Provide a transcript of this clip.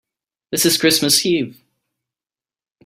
This is Christmas Eve.